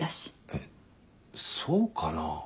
えっそうかな？